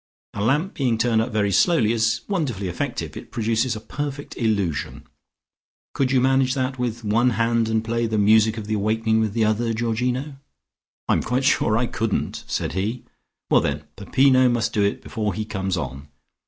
A lamp being turned up very slowly is wonderfully effective. It produces a perfect illusion. Could you manage that with one hand and play the music of the awakening with the other, Georgino?" "I'm quite sure I couldn't," said he. "Well then Peppino must do it before he comes on.